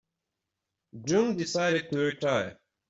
June decided to retire.